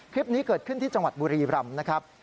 คลิปนี้เกิดขึ้นที่จังหวัดบุรีรำนะครับ